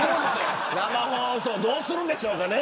生放送どうするんでしょうかね。